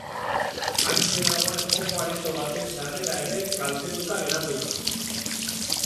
Hantxe dagoen joko-areto baten sarrera ere kaltetuta geratu da.